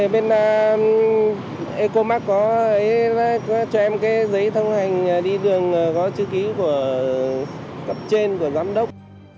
bên ecomark có cho em cái giấy thông hành đi đường có chữ ký của cấp trên của giám đốc